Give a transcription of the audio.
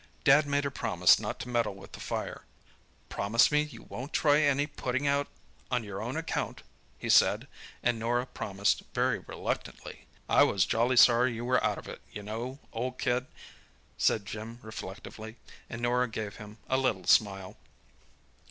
Dad made her promise not to meddle with the fire. 'Promise me you won't try any putting out on your own account,' he said; and Norah promised very reluctantly. I was jolly sorry you were out of it, you know, old kid," said Jim reflectively; and Norah gave him a little smile.